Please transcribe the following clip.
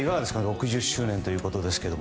６０周年ということですが。